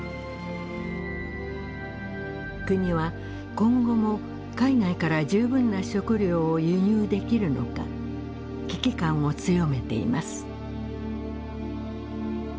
国は今後も海外から十分な食料を輸入できるのか危機感を強めています。